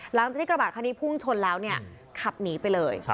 หลังจากที่กระบะคันนี้พุ่งชนแล้วเนี่ยขับหนีไปเลย